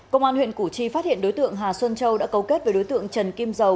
công an huyện củ chi phát hiện đối tượng hà xuân châu đã cấu kết với đối tượng trần kim dầu